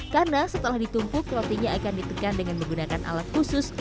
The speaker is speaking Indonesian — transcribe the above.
karena setelah ditumpuk rotinya akan ditekan dengan menggunakan alat khusus